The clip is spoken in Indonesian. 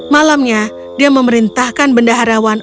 malamnya dia memerintahkan bendaharawan